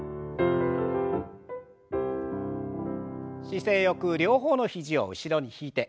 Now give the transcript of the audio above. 姿勢よく両方の肘を後ろに引いて。